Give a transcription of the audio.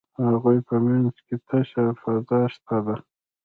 د هغوی په منځ کې تشه فضا شته ده.